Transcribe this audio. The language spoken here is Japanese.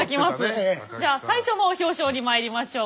じゃあ最初の表彰にまいりましょう。